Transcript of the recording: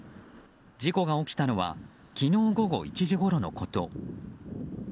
事故が起きたのは昨日午後１時ごろのこと。